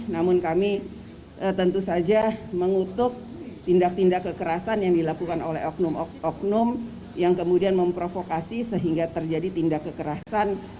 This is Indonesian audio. namun kami tentu saja mengutuk tindak tindak kekerasan yang dilakukan oleh oknum oknum yang kemudian memprovokasi sehingga terjadi tindak kekerasan